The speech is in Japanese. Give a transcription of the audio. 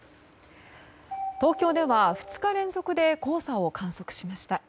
東京では２日連続で黄砂を観測しました。